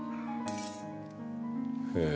へえ。